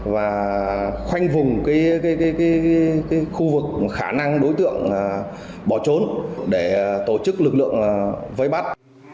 và khoanh vùng khu vực khả năng đối tượng bỏ trốn để tổ chức lực lượng vây bắt